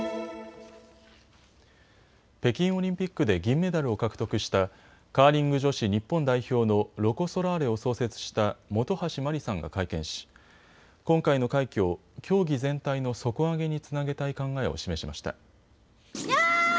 北京オリンピックで銀メダルを獲得したカーリング女子日本代表のロコ・ソラーレを創設した本橋麻里さんが会見し今回の快挙を競技全体の底上げにつなげたい考えを示しました。